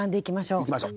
いきましょう。